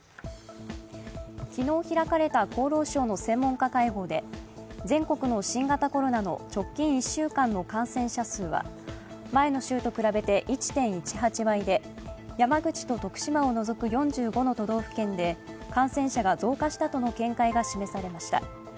昨日開かれた厚労省の専門家会合で全国の新型コロナの直近１週間の感染者数は、前の週と比べて１．１８倍で山口と徳島を除く４５の都道府県で感染者が増加したとの見解が示されました。